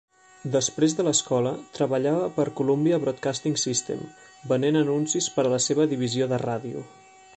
Després de l'escola, treballava per Columbia Broadcasting System venent anuncis per a la seva divisió de ràdio.